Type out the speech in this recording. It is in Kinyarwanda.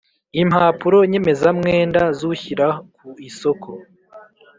Impapuro nyemezamwenda z ‘Ushyira ku isoko